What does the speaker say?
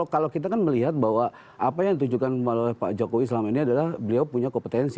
kalau kita kan melihat bahwa apa yang ditujukan pak jokowi selama ini adalah beliau punya kompetensi